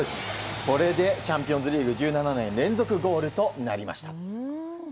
これでチャンピオンズリーグ１７年連続ゴールとなりました。